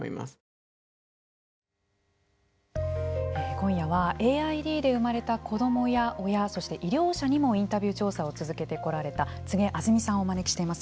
今夜はＡＩＤで生まれた子どもや親そして医療者にもインタビュー調査を続けてこられた柘植あづみさんをお招きしています。